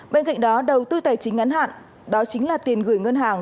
bên cạnh đó đầu tư tài chính ngắn hạn đó chính là tiền gửi ngân hàng